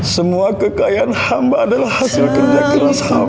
semua kekayaan saya adalah hak orang lain ya allah